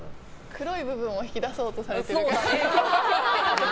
黒い部分を引き出そうとされている感じが。